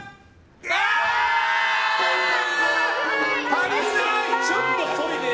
足りない！